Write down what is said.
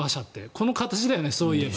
この形だよね、そういえば。